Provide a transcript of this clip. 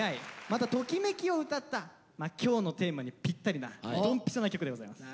またときめきを歌った今日のテーマにぴったりなドンピシャな曲でございます。